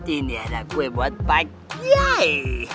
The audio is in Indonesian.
ini ada kue buat pak kiai